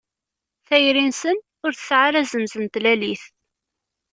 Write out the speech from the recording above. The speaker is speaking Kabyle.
Tayri-nsen ur tesɛi ara azemz n tlalit.